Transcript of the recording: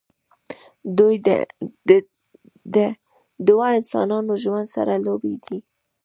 د دوه انسانانو ژوند سره لوبې دي